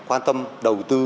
quan tâm đầu tư